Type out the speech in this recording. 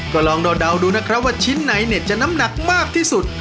ก็ลองเดาดูนะครับว่าชิ้นไหนเนี่ยจะน้ำหนักมากที่สุด